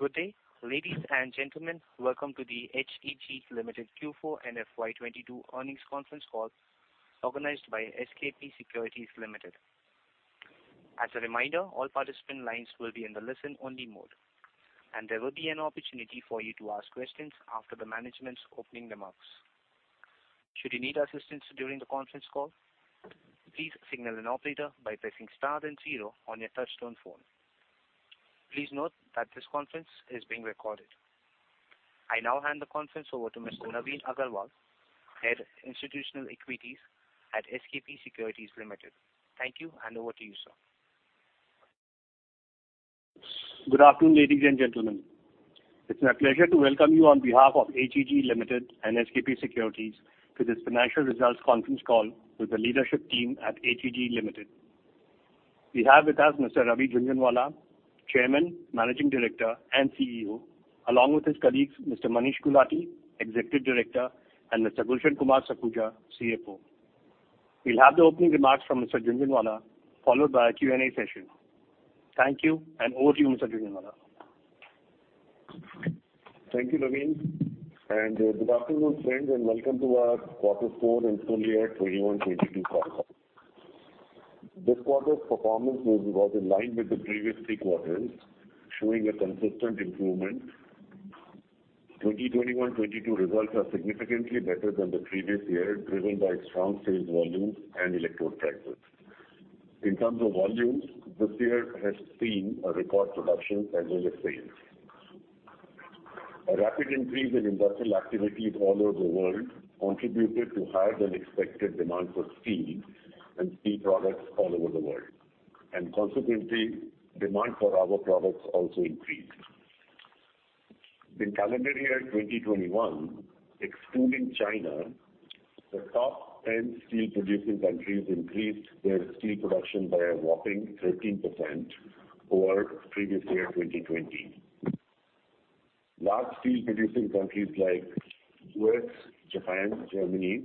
Good day, ladies and gentlemen. Welcome to the HEG Limited Q4 and FY 22 earnings conference call organized by SKP Securities Limited. As a reminder, all participant lines will be in the listen only mode, and there will be an opportunity for you to ask questions after the management's opening remarks. Should you need assistance during the conference call, please signal an operator by pressing star then zero on your touchtone phone. Please note that this conference is being recorded. I now hand the conference over to Mr. Naveen Agrawal, Head Institutional Equities at SKP Securities Limited. Thank you and over to you, sir. Good afternoon, ladies and gentlemen. It's my pleasure to welcome you on behalf of HEG Limited and SKP Securities to this financial results conference call with the leadership team at HEG Limited. We have with us Mr. Ravi Jhunjhunwala, Chairman, Managing Director, and CEO, along with his colleagues Mr. Manish Gulati, Executive Director, and Mr. Gulshan Kumar Sakuja, CFO. We'll have the opening remarks from Mr. Jhunjhunwala followed by a Q&A session. Thank you, and over to you, Mr. Jhunjhunwala. Thank you, Naveen, and good afternoon, friends, and welcome to our quarter four and full year 2021, 2022 conference. This quarter's performance was in line with the previous three quarters, showing a consistent improvement. 2021, 2022 results are significantly better than the previous year, driven by strong sales volumes and electrode prices. In terms of volumes, this year has seen a record production as well as sales. A rapid increase in industrial activity all over the world contributed to higher than expected demand for steel and steel products all over the world. Consequently, demand for our products also increased. In calendar year 2021, excluding China, the top ten steel producing countries increased their steel production by a whopping 13% over previous year 2020. Large steel producing countries like U.S., Japan, Germany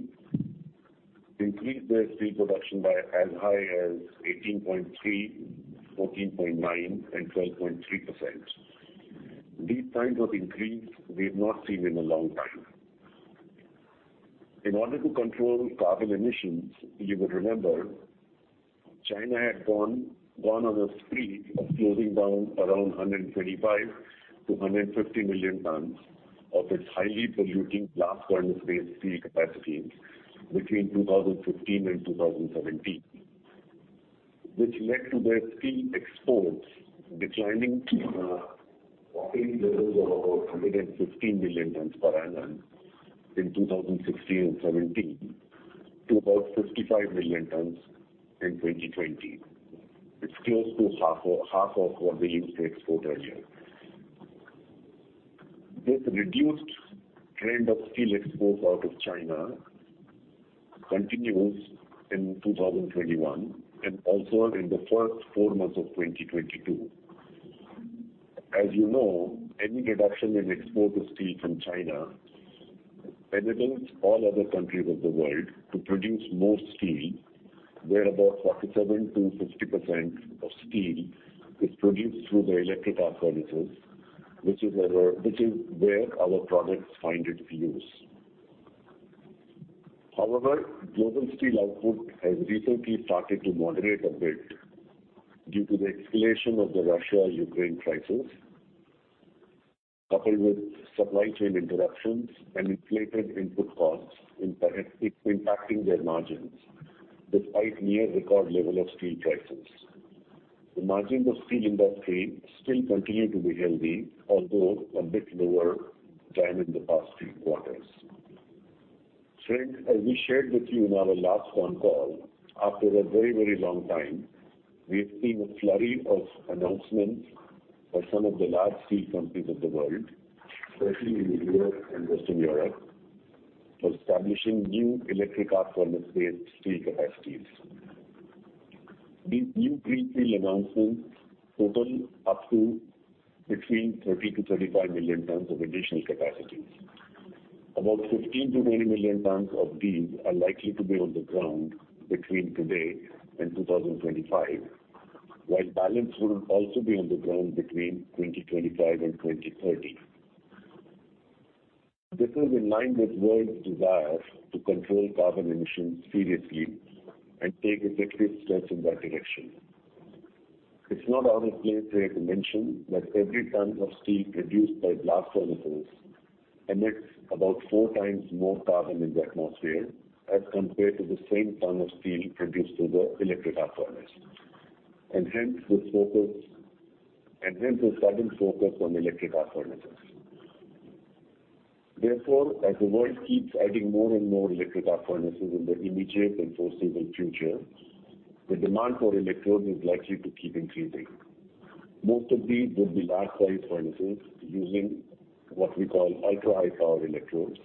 increased their steel production by as high as 18.3, 14.9, and 12.3%. These kinds of increase we've not seen in a long time. In order to control carbon emissions, you would remember China had gone on a spree of closing down around 125-150 million tons of its highly polluting blast furnace-based steel capacities between 2015 and 2017. Which led to their steel exports declining from whopping levels of over 115 million tons per annum in 2016 and 2017 to about 55 million tons in 2020. It's close to half of what they used to export earlier. This reduced trend of steel exports out of China continues in 2021 and also in the first four months of 2022. As you know, any reduction in export of steel from China enables all other countries of the world to produce more steel, where about 47%-60% of steel is produced through the electric arc furnaces, which is where our products find its use. However, global steel output has recently started to moderate a bit due to the escalation of the Russia-Ukraine crisis, coupled with supply chain interruptions and inflated input costs impacting their margins despite near record level of steel prices. The margins of steel industry still continue to be healthy, although a bit lower than in the past three quarters. Friends, as we shared with you in our last con call, after a very, very long time, we've seen a flurry of announcements by some of the large steel companies of the world, especially in Europe and Western Europe, for establishing new electric arc furnace-based steel capacities. These new greenfield announcements total up to between 30-35 million tons of additional capacities. About 15-20 million tons of these are likely to be on the ground between today and 2025, while balance would also be on the ground between 2025 and 2030. This is in line with world's desire to control carbon emissions seriously and take effective steps in that direction. It's not out of place here to mention that every ton of steel produced by blast furnaces emits about four times more carbon in the atmosphere as compared to the same ton of steel produced through the electric arc furnace, and hence the sudden focus on electric arc furnaces. Therefore, as the world keeps adding more and more electric arc furnaces in the immediate and foreseeable future, the demand for electrodes is likely to keep increasing. Most of these would be large size furnaces using what we call ultra-high power electrodes,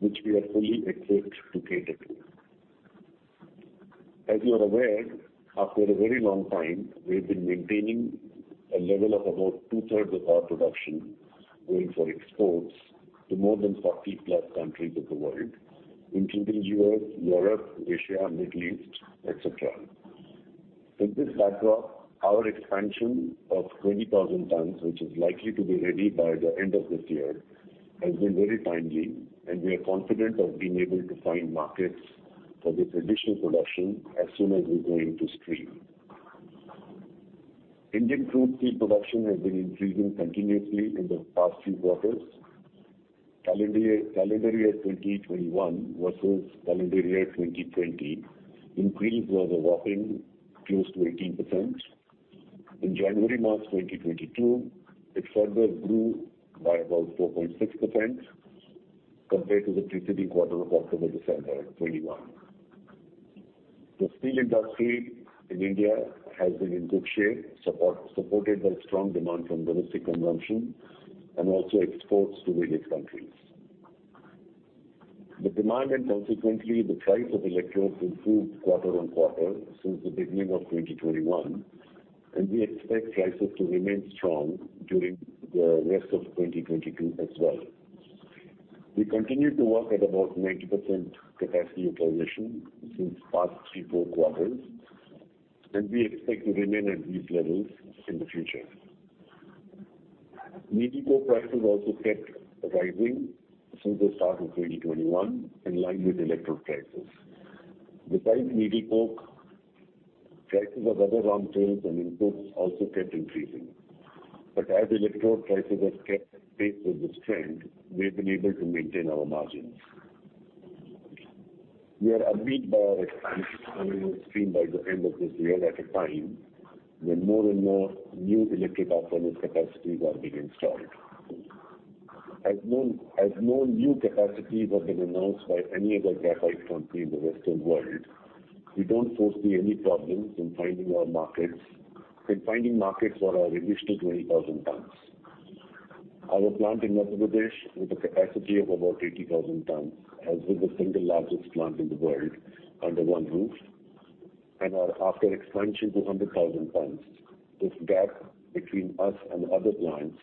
which we are fully equipped to cater to. As you are aware, after a very long time, we've been maintaining a level of about two-thirds of our production going for exports to more than 40+ countries of the world, including U.S., Europe, Asia, Middle East, etc. In this backdrop, our expansion of 20,000 tons, which is likely to be ready by the end of this year, has been very timely, and we are confident of being able to find markets for this additional production as soon as we go into stream. Indian crude steel production has been increasing continuously in the past few quarters. Calendar year 2021 versus calendar year 2020 increase was a whopping close to 18%. In January-March 2022, it further grew by about 4.6% compared to the preceding quarter of October-December 2021. The steel industry in India has been in good shape, supported by strong demand from domestic consumption and also exports to various countries. The demand and consequently the price of electrodes improved quarter-on-quarter since the beginning of 2021, and we expect prices to remain strong during the rest of 2022 as well. We continue to work at about 90% capacity utilization since past 3, 4 quarters, and we expect to remain at these levels in the future. Needle coke prices also kept rising since the start of 2021, in line with electrode prices. Besides needle coke, prices of other raw materials and inputs also kept increasing. As electrode prices have kept pace with this trend, we have been able to maintain our margins. We are upbeat about our expansion, which will come on stream by the end of this year at a time when more and more new electric arc furnace capacities are being installed. As no new capacity has been announced by any other graphite company in the Western world, we don't foresee any problems in finding markets for our additional 20,000 tons. Our plant in Madhya Pradesh, with a capacity of about 80,000 tons, has been the single largest plant in the world under one roof. After our expansion to 100,000 tons, this gap between us and other plants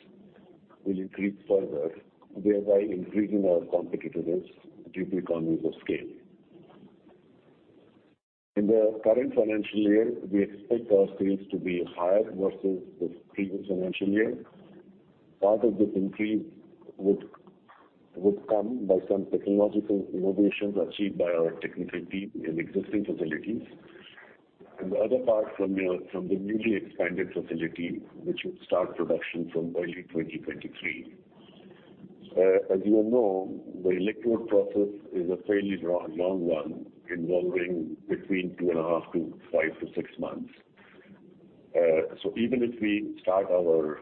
will increase further, thereby increasing our competitiveness due to economies of scale. In the current financial year, we expect our sales to be higher versus the previous financial year. Part of this increase would come by some technological innovations achieved by our technical team in existing facilities, and the other part from the newly expanded facility, which will start production from early 2023. As you all know, the electrode process is a fairly long one, involving between two and half-six months. So even if we start our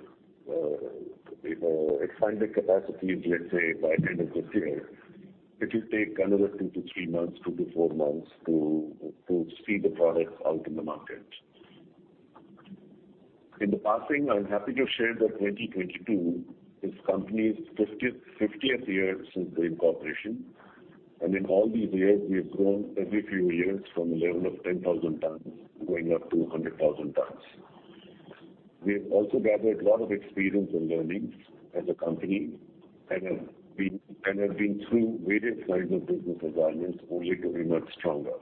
you know expanded capacity, let's say, by end of this year, it will take another two-three months, two-four months to see the products out in the market. In passing, I'm happy to share that 2022 is company's fiftieth year since the incorporation. In all these years, we have grown every few years from a level of 10,000 tons going up to 100,000 tons. We have also gathered a lot of experience and learnings as a company and have been through various kinds of business environments, only to emerge stronger.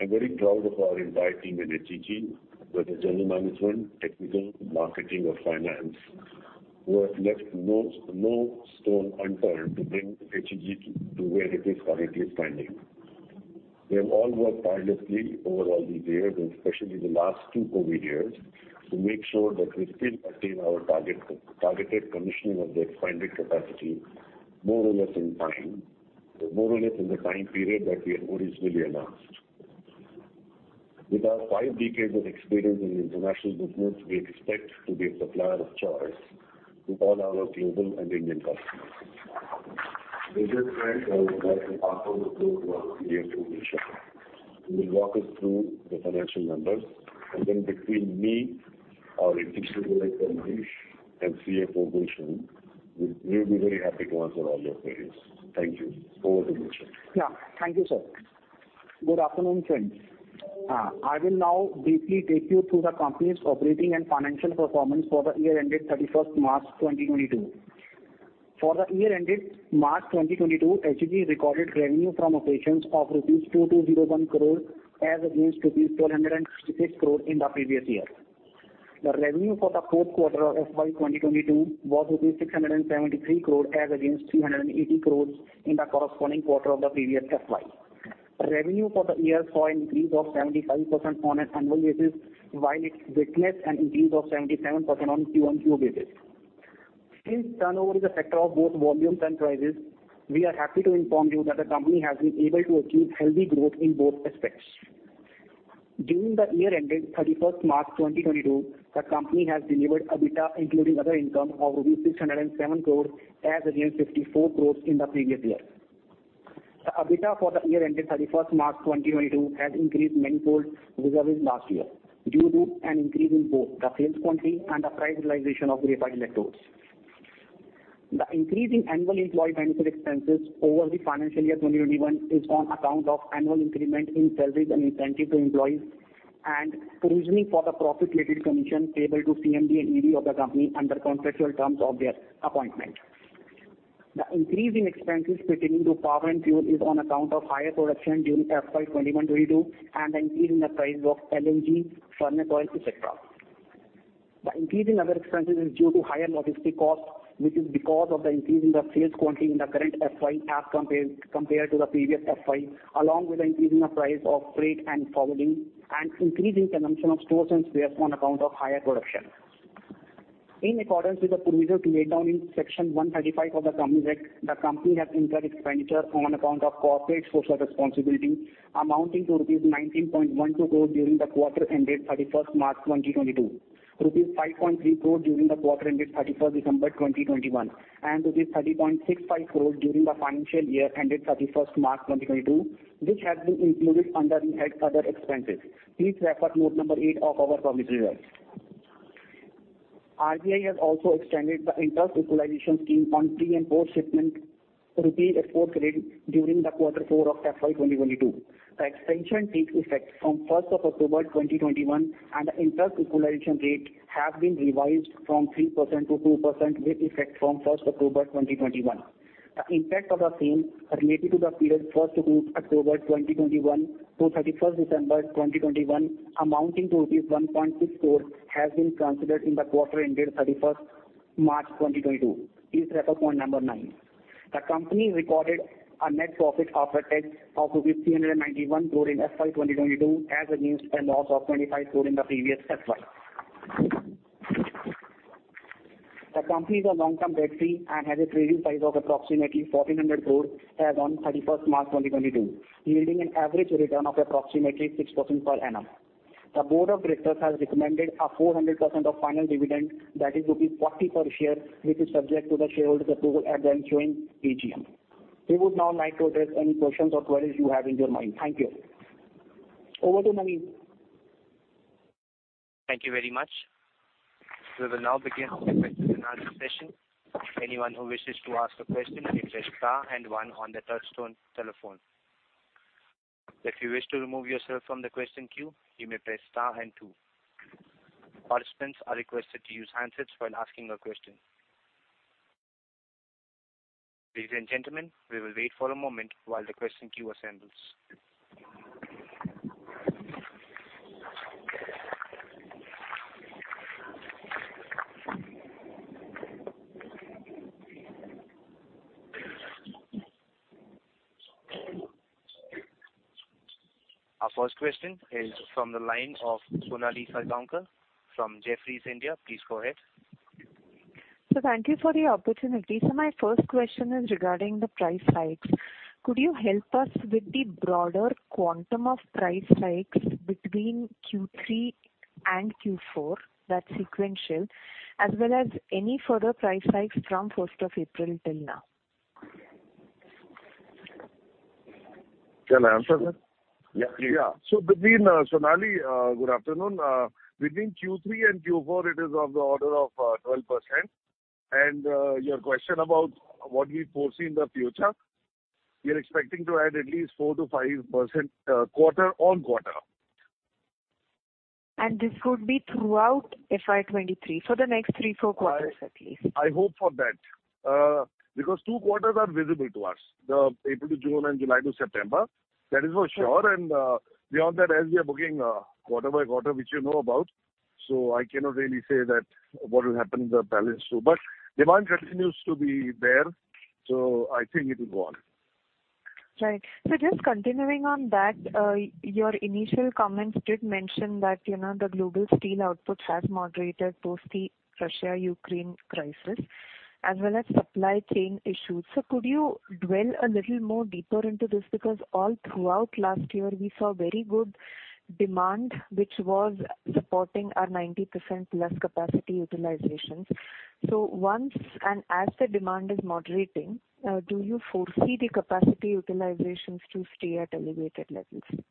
I'm very proud of our entire team at HEG, whether general management, technical, marketing or finance, who have left no stone unturned to bring HEG to where it is currently standing. We have all worked tirelessly over all these years, and especially the last two COVID years, to make sure that we still attain our targeted commissioning of the expanded capacity more or less in time, more or less in the time period that we had originally announced. With our five decades of experience in international business, we expect to be a supplier of choice to all our global and Indian customers. With this said, I would like to pass on the floor to our CFO, Bhushan, who will walk us through the financial numbers. Then between me, our institutional director Manish, and CFO Bhushan, we'll be very happy to answer all your queries. Thank you. Over to Bhushan. Yeah. Thank you, sir. Good afternoon, friends. I will now briefly take you through the company's operating and financial performance for the year ended thirty-first March 2022. For the year ended March 2022, HEG recorded revenue from operations of rupees 2,201 crore as against rupees 1,266 crore in the previous year. The revenue for the fourth quarter of FY 2022 was rupees 673 crore as against 380 crore in the corresponding quarter of the previous FY. Revenue for the year saw an increase of 75% on an annual basis, while it witnessed an increase of 77% on QoQ basis. Since turnover is a factor of both volumes and prices, we are happy to inform you that the company has been able to achieve healthy growth in both aspects. During the year ended 31 March 2022, the company has delivered EBITDA including other income of rupees 607 crore as against 54 crores in the previous year. The EBITDA for the year ended 31 March 2022 has increased manifold vis-a-vis last year due to an increase in both the sales quantity and the price realization of graphite electrodes. The increase in annual employee benefit expenses over the financial year 2021 is on account of annual increment in salaries and incentive to employees and provisioning for the profit-related commission payable to CMD and ED of the company under contractual terms of their appointment. The increase in expenses pertaining to power and fuel is on account of higher production during FY 2021-22 and the increase in the price of LNG, furnace oil, et cetera. The increase in other expenses is due to higher logistics costs, which is because of the increase in the sales quantity in the current FY as compared to the previous FY, along with an increase in the price of freight and forwarding and increase in consumption of stores and spares on account of higher production. In accordance with the provision laid down in Section 135 of the Companies Act, the company has incurred expenditure on account of corporate social responsibility amounting to rupees 19.12 crore during the quarter ended 31 March 2022, 5.3 crore during the quarter ended 31 December 2021, and rupees 30.65 crore during the financial year ended 31 March 2022, which has been included under the head Other Expenses. Please refer note number eight of our company results. RBI has also extended the interest equalization scheme on pre and post-shipment rupee export credit during quarter four of FY 2022. The extension takes effect from first of October 2021, and the interest equalization rate has been revised from 3% to 2% with effect from first of October 2021. The impact of the same related to the period first of October 2021 to 31 December 2021 amounting to 1.6 crore rupees has been considered in the quarter ended 31 March 2022. Please refer point number nine. The company recorded a net profit after tax of 391 crore in FY 2022 as against a loss of 25 crore in the previous FY. The company is long-term debt free and has a trading size of approximately 1,400 crore as on 31 March 2022, yielding an average return of approximately 6% per annum. The Board of Directors has recommended a 400% of final dividend, that is rupees 40 per share, which is subject to the shareholders' approval at the ensuing EGM. We would now like to address any questions or queries you have in your mind. Thank you. Over to Naveen. Thank you very much. We will now begin the question and answer session. Anyone who wishes to ask a question, you press star and one on the touch-tone telephone. If you wish to remove yourself from the question queue, you may press star and two. Participants are requested to use handsets when asking a question. Ladies and gentlemen, we will wait for a moment while the question queue assembles. Our first question is from the line of Sonali Salgaonkar from Jefferies India. Please go ahead. Sir, thank you for the opportunity. My first question is regarding the price hikes. Could you help us with the broader quantum of price hikes between Q3 and Q4 that's sequential, as well as any further price hikes from first of April till now? Can I answer that? Yeah, please. Sonali, good afternoon. Between Q3 and Q4 it is of the order of 12%. Your question about what we foresee in the future, we are expecting to add at least 4%-5% quarter-on-quarter. This would be throughout FY 23 for the next three, four quarters at least. I hope for that. Because two quarters are visible to us, the April to June and July to September. That is for sure. Beyond that, as we are booking quarter by quarter, which you know about, so I cannot really say that what will happen in the balance two. Demand continues to be there, so I think it will go on. Right. Just continuing on that, your initial comments did mention that, you know, the global steel output has moderated post the Russia-Ukraine crisis as well as supply chain issues. Could you dwell a little more deeper into this? Because all throughout last year we saw very good demand, which was supporting our 90% plus capacity utilizations. And as the demand is moderating, do you foresee the capacity utilizations to stay at elevated levels?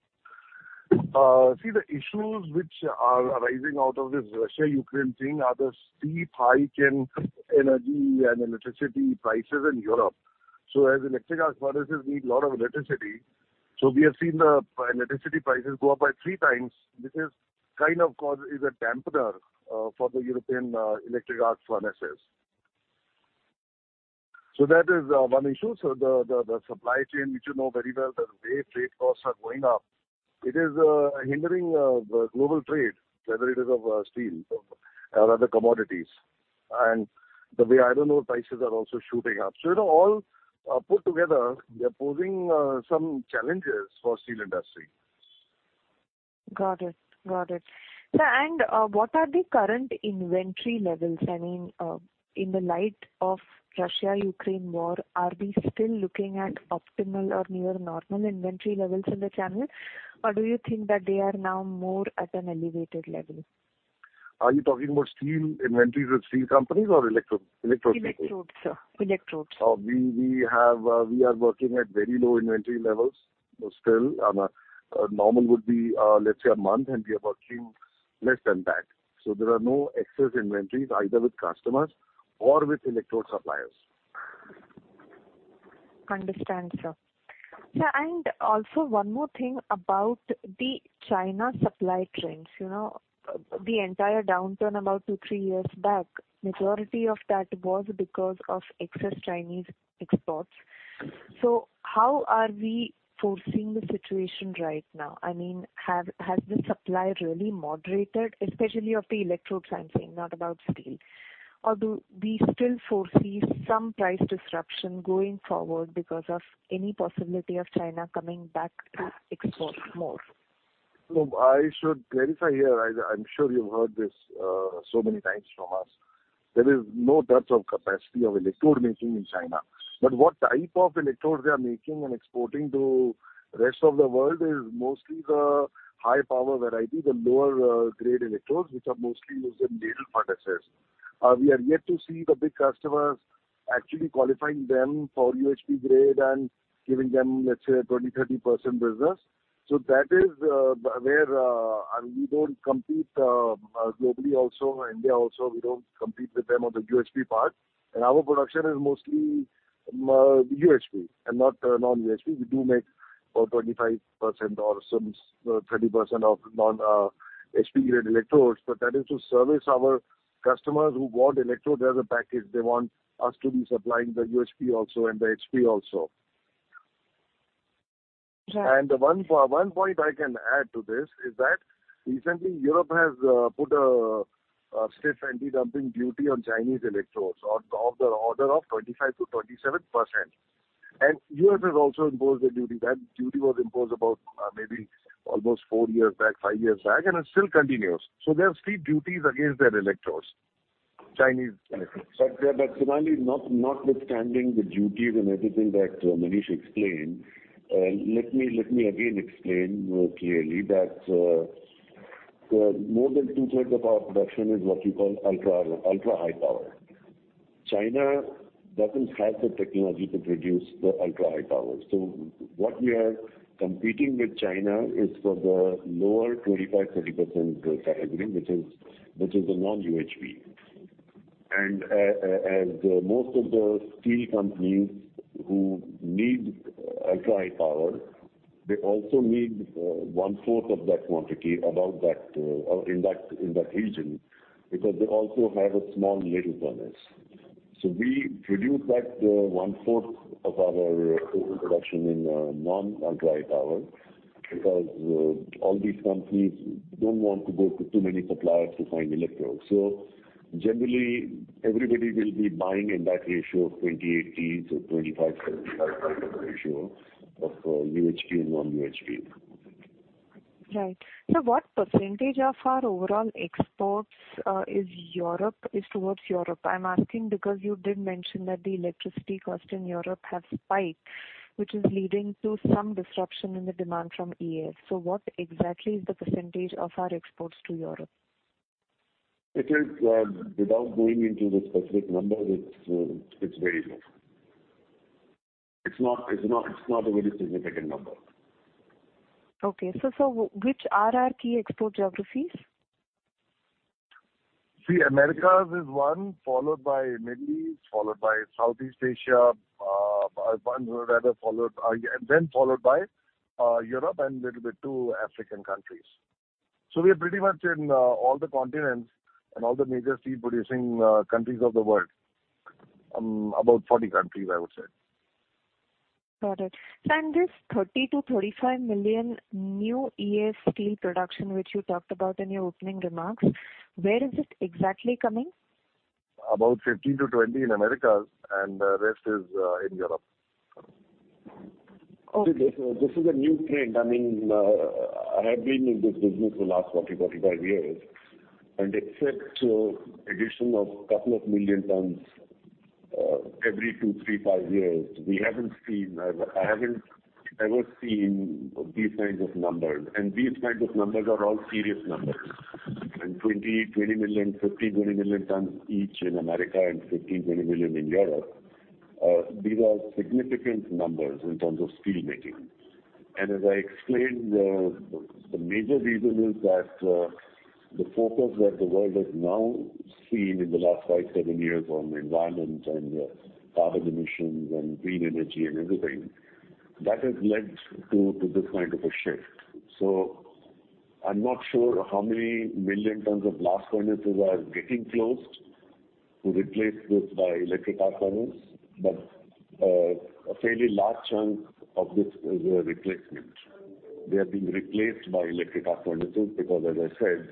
See the issues which are arising out of this Russia-Ukraine thing are the steep hike in energy and electricity prices in Europe. As electric arc furnaces need a lot of electricity, we have seen the electricity prices go up by three times. This is a dampener for the European electric arc furnaces. That is one issue. The supply chain, which you know very well, the way freight costs are going up, it is hindering the global trade, whether it is of steel or other commodities. The way, I don't know, prices are also shooting up. You know, all put together, they're posing some challenges for steel industry. Got it. Sir, what are the current inventory levels? I mean, in the light of Russia-Ukraine war, are we still looking at optimal or near normal inventory levels in the channel? Or do you think that they are now more at an elevated level? Are you talking about steel inventories with steel companies or electrode people? Electrodes, sir. Electrodes. We are working at very low inventory levels still. Normal would be, let's say a month, and we are working less than that. There are no excess inventories either with customers or with electrode suppliers. Understand, sir. Sir, and also one more thing about the Chinese supply chains. You know, the entire downturn about two-three years back, majority of that was because of excess Chinese exports. How are we foreseeing the situation right now? I mean, have the supply really moderated especially of the electrodes I'm saying, not about steel. Do we still foresee some price disruption going forward because of any possibility of China coming back to export more? No, I should clarify here. I'm sure you've heard this so many times from us. There is no dearth of capacity of electrode making in China. What type of electrode they are making and exporting to rest of the world is mostly the high power variety, the lower grade electrodes, which are mostly used in ladle furnaces. We are yet to see the big customers actually qualifying them for UHP grade and giving them, let's say, 20, 30% business. That is where we don't compete globally also, India also, we don't compete with them on the UHP part. Our production is mostly UHP and not non-UHP. We do make about 25% or some 30% of non-HP grade electrodes, but that is to service our customers who want electrode as a package. They want us to be supplying the UHP also and the HP also. Right. One point I can add to this is that recently Europe has put a stiff anti-dumping duty on Chinese electrodes of the order of 25%-27%. U.S. has also imposed a duty. That duty was imposed about maybe almost foue years back, five years back, and it still continues. There are steep duties against their electrodes, Chinese electrodes. Sonali, notwithstanding the duties and everything that Manish explained, let me again explain more clearly that more than two-thirds of our production is what you call ultra high power. China doesn't have the technology to produce the ultra high power. What we are competing with China is for the lower 25-30% category, which is the non-UHP. As most of the steel companies who need ultra high power, they also need one-fourth of that quantity about that in that region, because they also have a small ladle furnace. We produce that one-fourth of our total production in non-ultra high power, because all these companies don't want to go to too many suppliers to find electrodes. Generally everybody will be buying in that ratio of 20-80 to 25-75 kind of a ratio of UHP and non-UHP. Right. What percentage of our overall exports is towards Europe? I'm asking because you did mention that the electricity cost in Europe has spiked, which is leading to some disruption in the demand from EAF. What exactly is the percentage of our exports to Europe? It is without going into the specific numbers, it's very low. It's not a very significant number. Okay. Sir, which are our key export geographies? See, Americas is one, followed by Middle East, followed by Southeast Asia, then followed by Europe and little bit two African countries. We are pretty much in all the continents and all the major steel producing countries of the world. About 40 countries, I would say. Got it. Sir, this 30-35 million new EAF steel production, which you talked about in your opening remarks, where is it exactly coming? About 15%-20% in Americas, and the rest is in Europe. Okay. This is a new trend. I mean, I have been in this business for last 40-45 years, and except addition of couple of million tons every two, three, five years, we haven't seen. I haven't ever seen these kinds of numbers. These kinds of numbers are all serious numbers. 20-20 million, 15-20 million tons each in America and 15-20 million in Europe, these are significant numbers in terms of steelmaking. As I explained, the major reason is that, the focus that the world has now seen in the last five-seven years on environment and carbon emissions and green energy and everything, that has led to this kind of a shift. I'm not sure how many million tons of blast furnaces are getting closed to replace this by electric arc furnaces, but a fairly large chunk of this is a replacement. They are being replaced by electric arc furnaces because, as I said,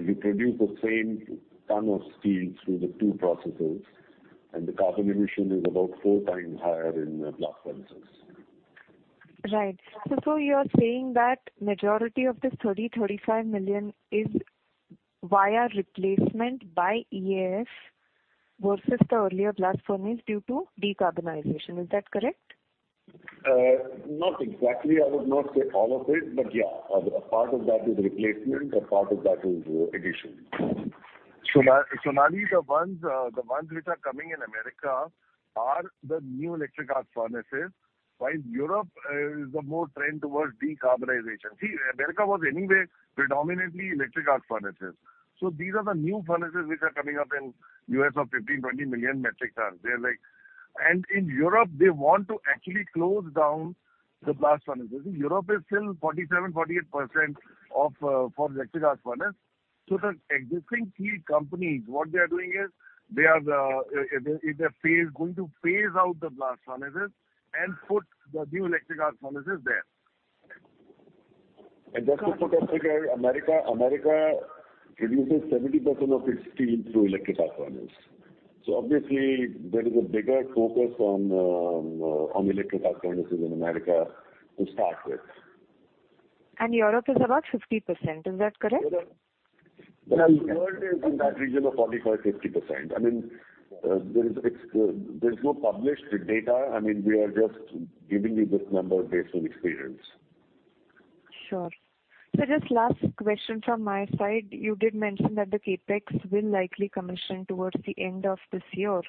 you produce the same ton of steel through the two processes, and the carbon emission is about four times higher in the blast furnaces. Right. You are saying that majority of this 30-35 million is via replacement by EAF versus the earlier blast furnaces due to decarbonization. Is that correct? Not exactly. I would not say all of it, but yeah, a part of that is replacement, a part of that is addition. Sonali, the ones which are coming in America are the new electric arc furnaces. While in Europe, the trend is more towards decarbonization. See, America was anyway predominantly electric arc furnaces. These are the new furnaces which are coming up in U.S. of 15-20 million metric tons. In Europe, they want to actually close down the blast furnaces. In Europe, it's still 47-48% EAF. The existing steel companies, what they are doing is they are going to phase out the blast furnaces and put the new electric arc furnaces there. Just to put that figure, America produces 70% of its steel through electric arc furnace. Obviously there is a bigger focus on electric arc furnaces in America to start with. Europe is about 50%. Is that correct? Well, the world is in that region of 45%-50%. I mean, there is no published data. I mean, we are just giving you this number based on experience. Sure. Just last question from my side. You did mention that the CapEx will likely commission towards the end of this year.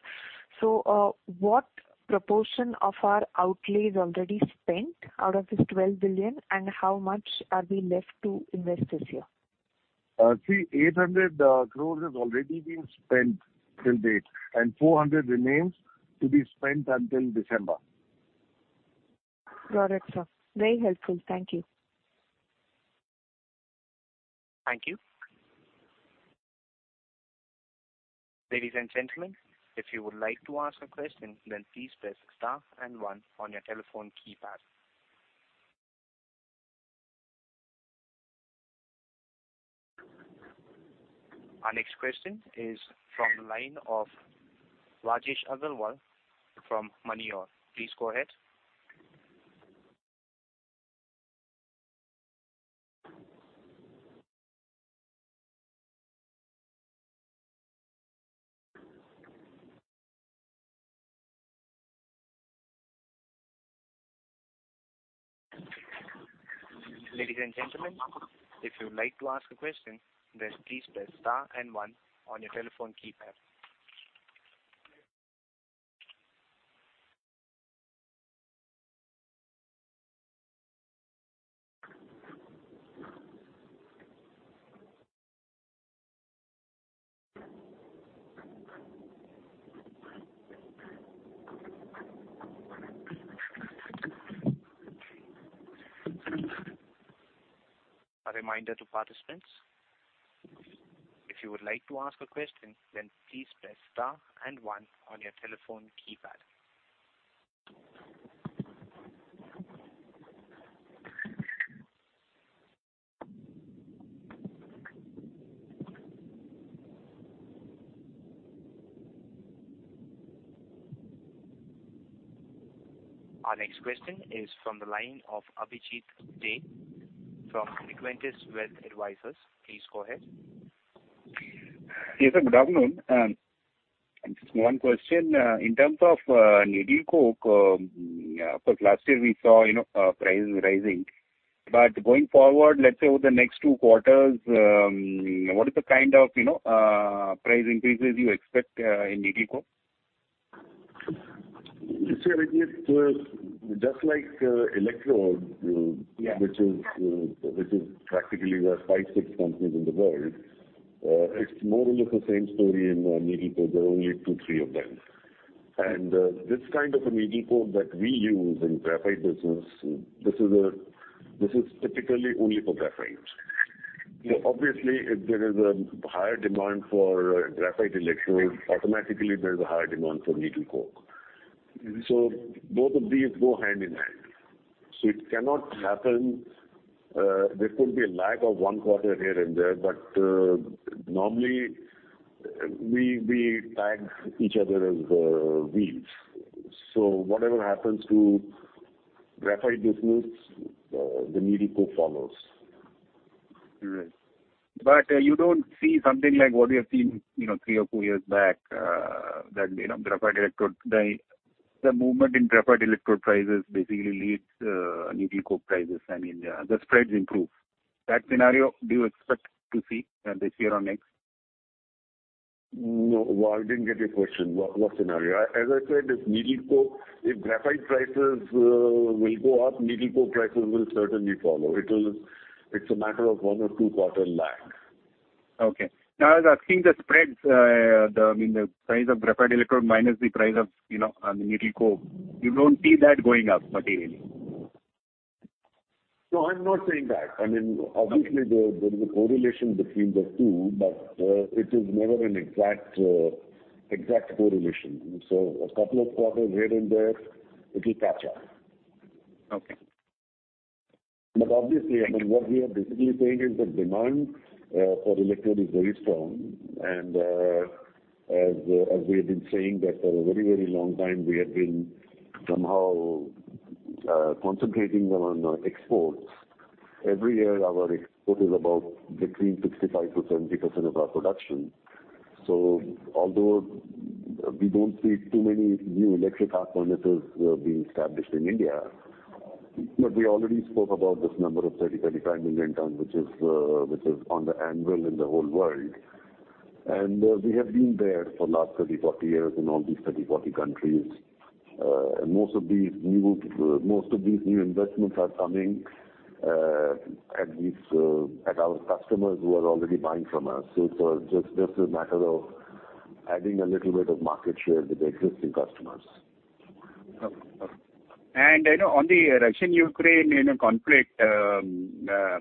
What proportion of our outlay is already spent out of this 12 billion, and how much are we left to invest this year? See, 800 crore has already been spent till date, and 400 crore remains to be spent until December. Got it, sir. Very helpful. Thank you. Thank you. Ladies and gentlemen, if you would like to ask a question, then please press star and one on your telephone keypad. Our next question is from the line of Rajesh Agarwal from Moneycontrol. Please go ahead. Ladies and gentlemen, if you'd like to ask a question, then please press star and one on your telephone keypad. A reminder to participants, if you would like to ask a question, then please press star and one on your telephone keypad. Our next question is from the line of Abhijeet Jain from Sequent Wealth Advisors. Please go ahead. Yes, sir. Good afternoon. Just one question. In terms of needle coke, of course, last year we saw, you know, prices rising. Going forward, let's say over the next two quarters, what is the kind of, you know, price increases you expect in needle coke? Yes, sir. It is just like Yeah. Which is practically we have five-six companies in the world. It's more or less the same story in needle coke. There are only two-three of them. This kind of a needle coke that we use in graphite business, this is typically only for graphite. Obviously, if there is a higher demand for graphite electrode, automatically there is a higher demand for needle coke. Mm-hmm. Both of these go hand in hand. It cannot happen. There could be a lag of one quarter here and there, but normally we tag each other as wheels. Whatever happens to graphite business, the needle coke follows. Right. You don't see something like what we have seen, you know, three or four years back, that you know, the movement in graphite electrode prices basically leads needle coke prices. I mean, the spreads improve. That scenario, do you expect to see this year or next? No. Well, I didn't get your question. What scenario? As I said, this needle coke, if graphite prices will go up, needle coke prices will certainly follow. It's a matter of one or two quarter lag. Okay. Now I was asking the spreads, I mean, the price of graphite electrode minus the price of, you know, needle coke. You don't see that going up materially? No, I'm not saying that. I mean, obviously there is a correlation between the two, but it is never an exact correlation. A couple of quarters here and there, it will catch up. Okay. Obviously, I mean, what we are basically saying is that demand for electrodes is very strong. As we have been saying that for a very, very long time, we have been somehow concentrating on exports. Every year our export is about between 65%-70% of our production. Although we don't see too many new electric arc furnaces being established in India. Look, we already spoke about this number of 30-35 million tons, which is on the anvil in the whole world. We have been there for last 30-40 years in all these 30-40 countries. Most of these new investments are coming at our customers who are already buying from us. It's just a matter of adding a little bit of market share with existing customers. Okay. You know, on the Russian-Ukraine conflict, is there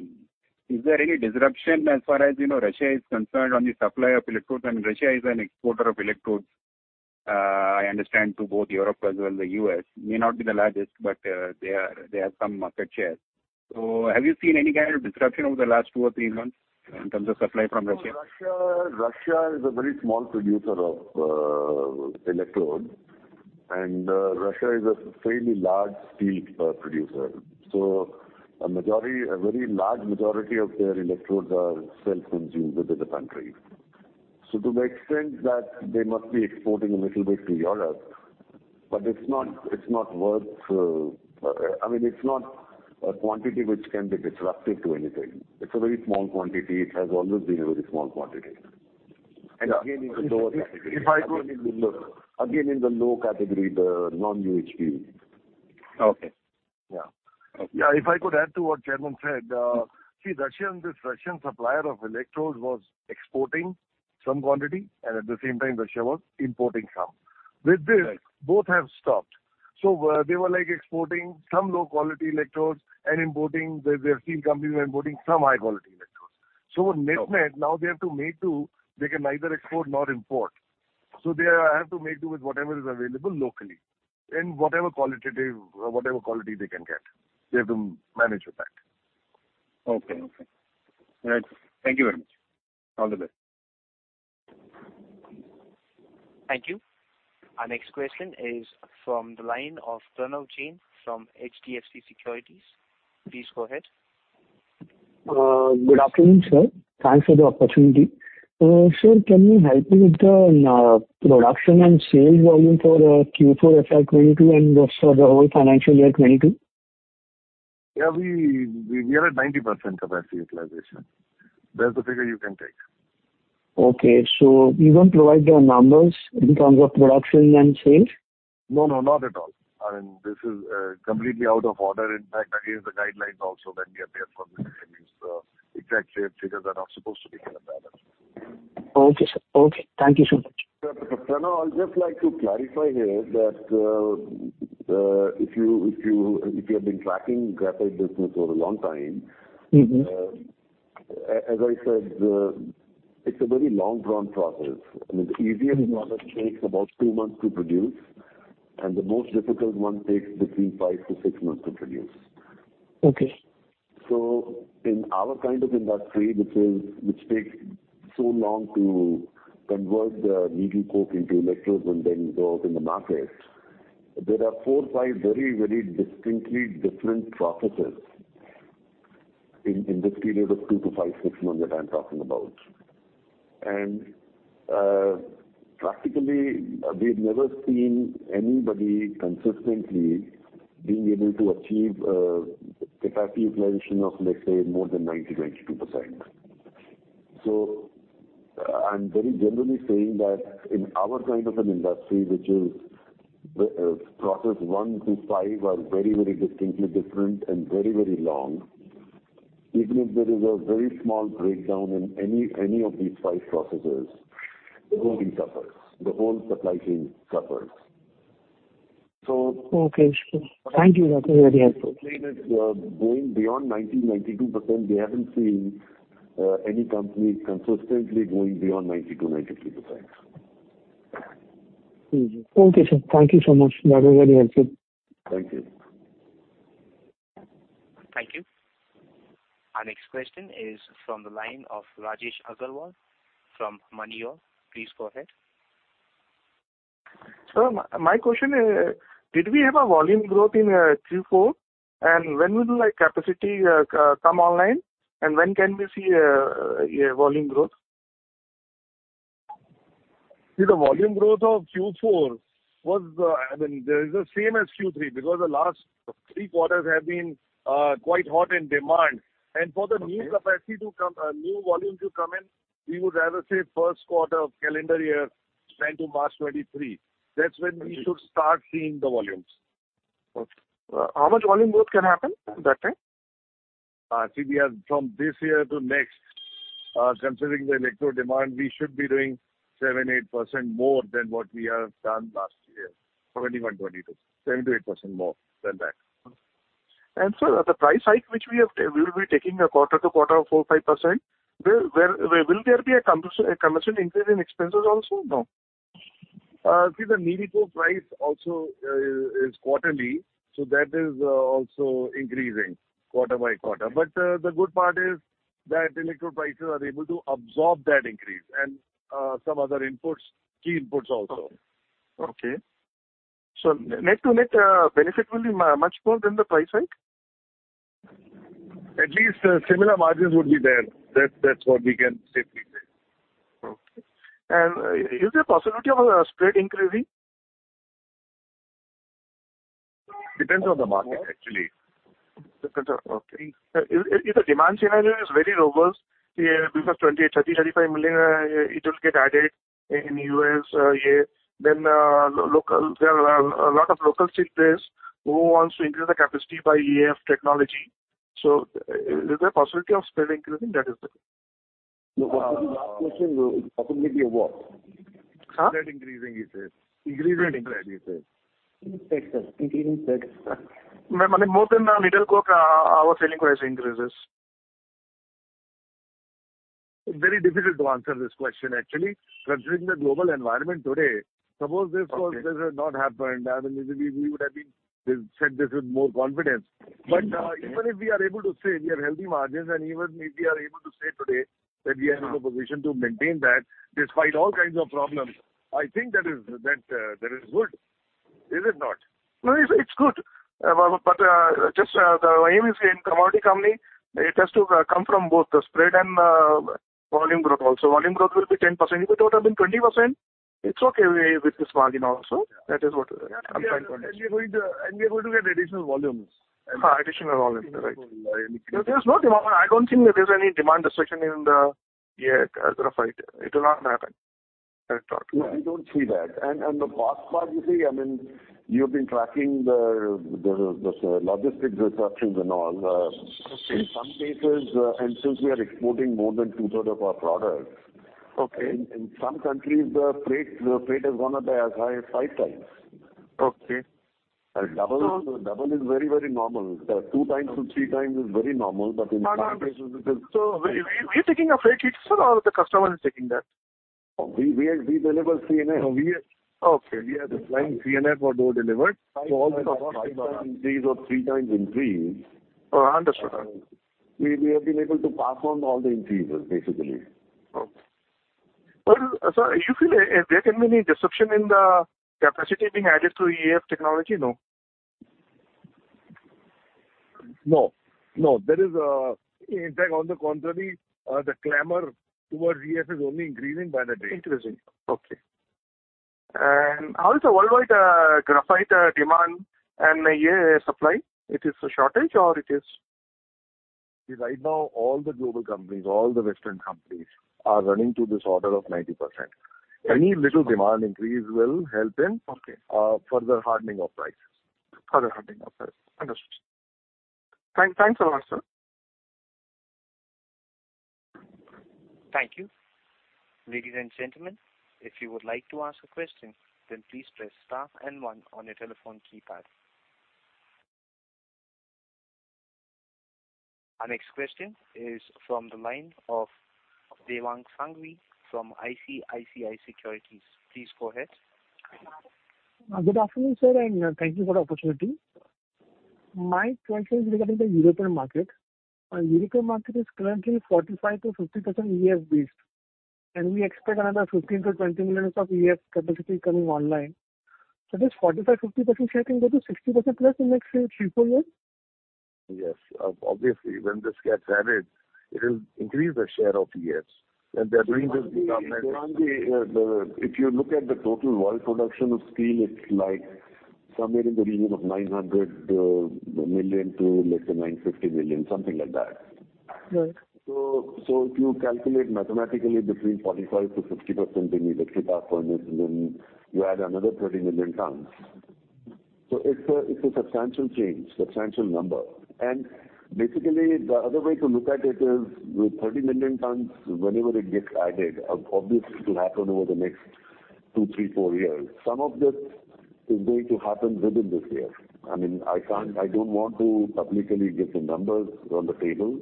any disruption as far as Russia is concerned on the supply of electrodes? I mean, Russia is an exporter of electrodes, I understand to both Europe as well as the U.S. May not be the largest, but they have some market share. So have you seen any kind of disruption over the last two or three months in terms of supply from Russia? Russia is a very small producer of electrodes, and Russia is a fairly large steel producer. A majority, a very large majority of their electrodes are self-consumed within the country. To the extent that they must be exporting a little bit to Europe, but it's not worth it. I mean, it's not a quantity which can be disruptive to anything. It's a very small quantity. It has always been a very small quantity. And again, if I- Again, in the low category, the non-UHP. Okay. Yeah. Okay. Yeah, if I could add to what Chairman said. See, Russia, this Russian supplier of electrodes was exporting some quantity, and at the same time Russia was importing some. With this- Right. Both have stopped. They were like exporting some low quality electrodes and importing, their steel companies were importing some high quality electrodes. Net-net now they have to make do. They can neither export nor import. They have to make do with whatever is available locally, in whatever quality they can get. They have to manage with that. Okay. Thank you very much. All the best. Thank you. Our next question is from the line of Pranav Jain from HDFC Securities. Please go ahead. Good afternoon, sir. Thanks for the opportunity. Sir, can you help me with the production and sales volume for Q4 FY 2022 and also the whole financial year 2022? Yeah, we are at 90% capacity utilization. That's the figure you can take. Okay. You won't provide the numbers in terms of production and sales? No, no, not at all. I mean, this is completely out of order. In fact, against the guidelines also when we appear for these earnings. Exact same figures are not supposed to be given out. Okay, sir. Okay, thank you so much. Pranav Jain, I'd just like to clarify here that, if you have been tracking graphite business over a long time. Mm-hmm. As I said, it's a very long drawn process. I mean, the easiest product takes about two months to produce, and the most difficult one takes between five-six months to produce. Okay. In our kind of industry, which takes so long to convert the needle coke into electrodes and then go out in the market, there are four-five very, very distinctly different processes in this period of two-six months that I'm talking about. Practically, we've never seen anybody consistently being able to achieve capacity utilization of let's say more than 90%-92%. I'm very generally saying that in our kind of an industry which is the process one-five are very, very distinctly different and very, very long. Even if there is a very small breakdown in any of these five processes, the whole thing suffers. The whole supply chain suffers. Okay, sure. Thank you. That was very helpful. Going beyond 90%-92%, we haven't seen any company consistently going beyond 90%-92%. Okay, sir. Thank you so much. That was very helpful. Thank you. Thank you. Our next question is from the line of Rajesh Agarwal from Moneycontrol. Please go ahead. Sir, my question is, did we have a volume growth in Q4? When will the capacity come online and when can we see volume growth? See, the volume growth of Q4 was, I mean, the same as Q3, because the last three quarters have been quite hot in demand. For the new volume to come in, we would rather say first quarter calendar year March 2023, that's when we should start seeing the volumes. Okay. How much volume growth can happen that time? See, we are from this year to next, considering the electrode demand, we should be doing 7%-8% more than what we have done last year, 2021-2022. 7%-8% more than that. Sir, the price hike which we will be taking a quarter-on-quarter of 4%-5%, will there be a commensurate increase in expenses also? No? See, the needle coke price also is quarterly, so that is also increasing quarter by quarter. The good part is that electrode prices are able to absorb that increase and some other inputs, key inputs also. Okay. Net to net, benefit will be much more than the price hike? At least, similar margins would be there. That's what we can safely say. Is there a possibility of a spread increasing? Depends on the market actually. If the demand scenario is very robust, yeah, because 20, 30, 35 million it will get added in U.S., yeah. There are a lot of local steel players who wants to increase the capacity by EAF technology. Is there a possibility of spread increasing? That is the question. What was the last question? It happened maybe a what? Huh? Spread increasing, he said. Increasing spread, he said. Increasing spread, sir. I mean, more than needle coke, our selling price increases. Very difficult to answer this question actually considering the global environment today. Suppose this call this had not happened, I mean, we would have said this with more confidence. Even if we are able to say we have healthy margins, and even if we are able to say today that we are in a position to maintain that despite all kinds of problems, I think that is good. Is it not? No, it's good. HEG is a commodity company. It has to come from both the spread and volume growth also. Volume growth will be 10%. If it would have been 20%, it's okay with this margin also. That is what I'm trying to We are going to get additional volumes. Additional volumes. Right. There's no demand. I don't think there's any demand destruction in the graphite. It will not happen. No, we don't see that. The past part, you see, I mean, you've been tracking the logistics disruptions and all. In some cases, and since we are exporting more than two-thirds of our products. Okay. In some countries the freight has gone up by as high as five times. Okay. Double is very normal. two times to three times is very normal. In some cases it is. Are you taking a freight sir or the customer is taking that? We deliver CIF. Okay. We are the client CIF for door delivered. All the five times increase or three times increase. Understood. We have been able to pass on all the increases, basically. Okay. Well, sir, you feel there can be any disruption in the capacity being added through EAF technology? No. No. In fact, on the contrary, the clamor towards EAF is only increasing by the day. Increasing. Okay. How is the worldwide graphite demand and supply? It is a shortage or it is. Right now, all the global companies, all the Western companies are running to this order of 90%. Any little demand increase will help in. Okay. Further hardening of prices. Further hardening of prices. Understood. Thanks a lot, sir. Thank you. Ladies and gentlemen, if you would like to ask a question, then please press star and one on your telephone keypad. Our next question is from the line of Dewang Sanghavi from ICICI Securities. Please go ahead. Good afternoon, sir, and thank you for the opportunity. My question is regarding the European market. European market is currently 45%-50% EAF based, and we expect another 15-20 million tons of EAF capacity coming online. This 45-50% share can go to 60%+ in next 3-4 years? Yes. Obviously, when this gets added, it will increase the share of EAF. They are doing this government- If you look at the total world production of steel, it's like somewhere in the region of 900 million-950 million, something like that. Right. If you calculate mathematically between 45%-60% in electric arc furnace, and then you add another 30 million tons. It's a substantial change, substantial number. Basically the other way to look at it is with 30 million tons, whenever it gets added, obviously it will happen over the next two, three, four years. Some of this is going to happen within this year. I mean, I can't. I don't want to publicly give the numbers on the table.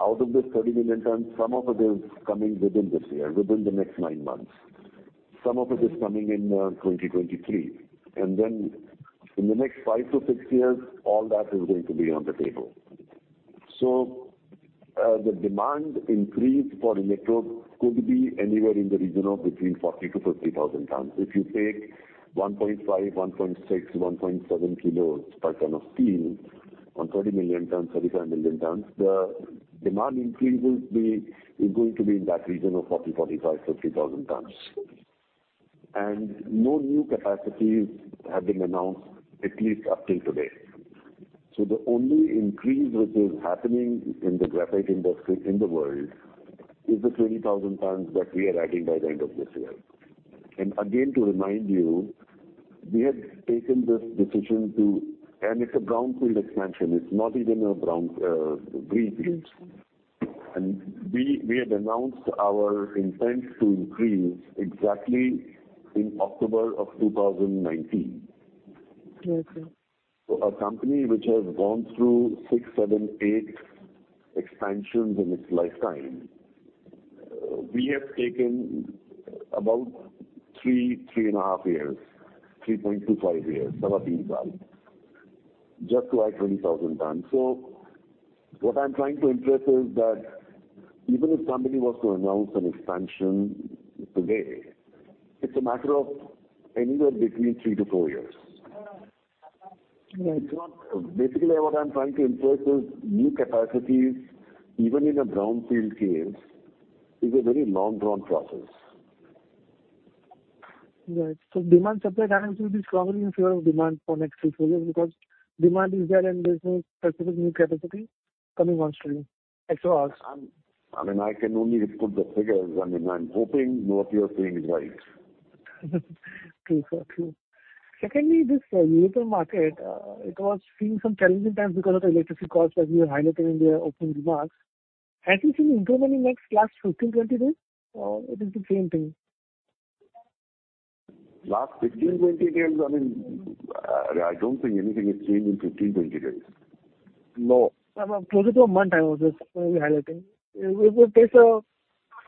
Out of this 30 million tons, some of it is coming within this year, within the next nine months. Some of it is coming in 2023. Then in the next five-six years, all that is going to be on the table. The demand increase for electrode could be anywhere in the region of between 40,000-50,000 tons. If you take 1.5, 1.6, 1.7 kilos per ton of steel on 30 million tons, 35 million tons, the demand increase is going to be in that region of 40,000, 45,000, 50,000 tons. No new capacities have been announced, at least up till today. The only increase which is happening in the graphite industry in the world is the 20,000 tons that we are adding by the end of this year. Again, to remind you, we have taken this decision and it's a brownfield expansion. It's not even a greenfield. Yes, sir. We had announced our intent to increase exactly in October of 2019. Yes, sir. A company which has gone through six, seven, eight expansions in its lifetime, we have taken about three and half years, 3.25 years, seven years just to add 20,000 tons. What I'm trying to impress is that even if somebody was to announce an expansion today, it's a matter of anywhere between three-four years. Basically, what I'm trying to imply is new capacities, even in a brownfield case, is a very long drawn process. Right. Demand supply dynamics will be strongly in favor of demand for next three quarters because demand is there and there's no specific new capacity coming on stream also. I mean, I can only put the figures. I mean, I'm hoping what you're saying is right. True, sir. Secondly, this European market, it was seeing some challenging times because of the electricity cost that we were highlighting in the open remarks. Has it seen improvement in the last 15-20 days, or it is the same thing? Last 15, 20 days, I mean, I don't think anything has changed in 15, 20 days. No. Closer to a month, I was just highlighting. If there's a,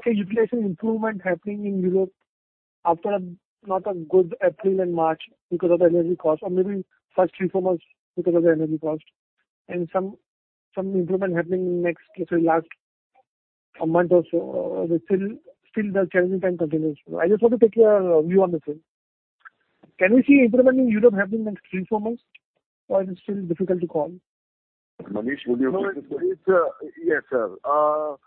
say, utilization improvement happening in Europe after not a good April and March because of the energy cost or maybe first three-four months because of the energy cost and some improvement happening next, let's say, last a month or so, still the challenging time continues. I just want to take your view on the same. Can we see improvement in Europe happening next three-four months, or it is still difficult to call? Manish, would you like to- No, it's. Yes, sir.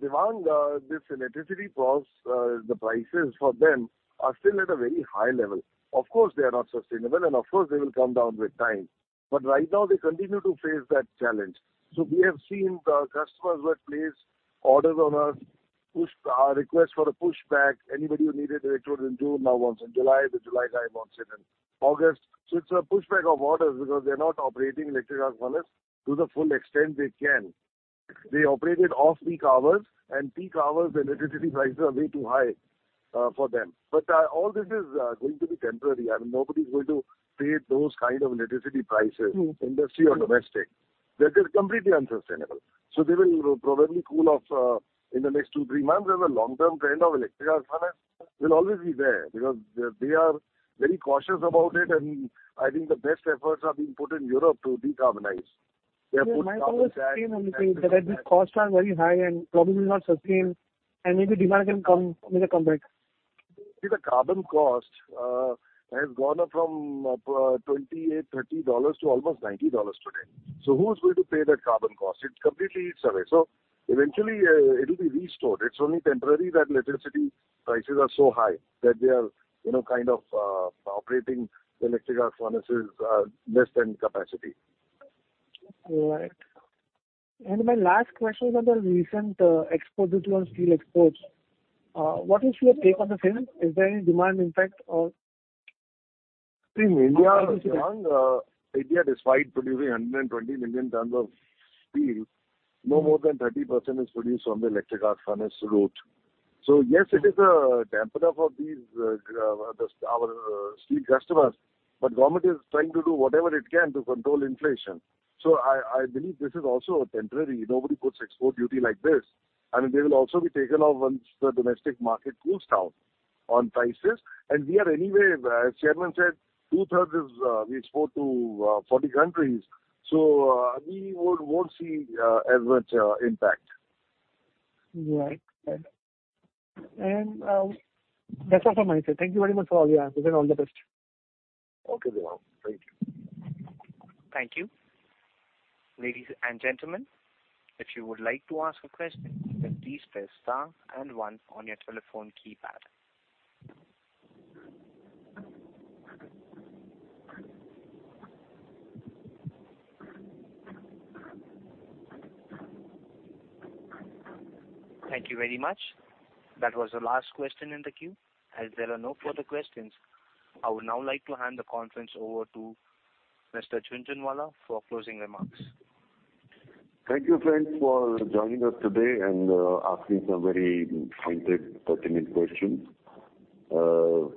Demand. This electricity costs, the prices for them are still at a very high level. Of course, they are not sustainable, and of course, they will come down with time. Right now they continue to face that challenge. We have seen the customers who have placed orders on us push request for a pushback. Anybody who needed electrodes in June now wants in July. The July guy wants it in August. It's a pushback of orders because they're not operating electric arc furnace to the full extent they can. They operate it off-peak hours and peak hours the electricity prices are way too high, for them. All this is going to be temporary. I mean, nobody's going to pay those kind of electricity prices. Mm-hmm. industry or domestic. That is completely unsustainable. They will probably cool off in the next two, three months. The long term trend of electric arc furnace will always be there because they are very cautious about it. I think the best efforts are being put in Europe to decarbonize. They have put carbon tax and things like that. Yeah. My thought is same on the same, that these costs are very high and probably will not sustain and maybe demand can come back. See, the carbon cost has gone up from $28-$30 to almost $90 today. Who's going to pay that carbon cost? It's completely insane. Eventually, it'll be restored. It's only temporary that electricity prices are so high that they are, you know, kind of, operating electric arc furnaces less than capacity. All right. My last question is on the recent export duty on steel exports. What is your take on the same? Is there any demand impact? See, in India, Dewang, India despite producing 120 million tons of steel, no more than 30% is produced on the electric arc furnace route. Yes, it is a damper for these, our steel customers, but government is trying to do whatever it can to control inflation. I believe this is also temporary. Nobody puts export duty like this. I mean, they will also be taken off once the domestic market cools down on prices. We are anyway, as chairman said, two-thirds is we export to 40 countries, so we won't see as much impact. Right. That's all from my side. Thank you very much for all your answers and all the best. Okay, Devang. Thank you. Thank you. Ladies and gentlemen, if you would like to ask a question, then please press star and one on your telephone keypad. Thank you very much. That was the last question in the queue. As there are no further questions, I would now like to hand the conference over to Mr. Ravi Jhunjhunwala for closing remarks. Thank you, friends, for joining us today and asking some very pointed, pertinent questions. I'm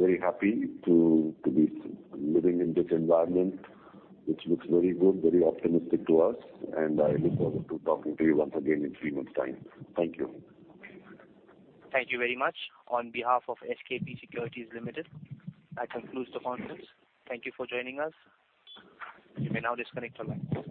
very happy to be living in this environment, which looks very good, very optimistic to us, and I look forward to talking to you once again in three months' time. Thank you. Thank you very much. On behalf of SKP Securities Limited, that concludes the conference. Thank you for joining us. You may now disconnect your line.